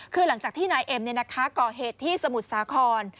คือหลังจากที่นายเอ็มก่อเหตุที่สมุทรสาคร